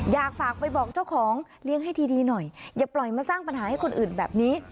อยากฝากไปบอกเจ้าของเลี้ยงให้ดีหน่อยอย่าปล่อยมาสร้างปัญหาให้คนอื่นแบบนี้